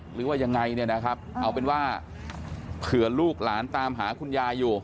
หรือว่ายังไงเนี่ยนะครับเอาเป็นว่าเผื่อลูกหลานตามหาคุณยายอยู่